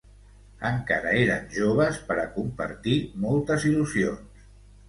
Encara eren joves per a compartir moltes il·lusions.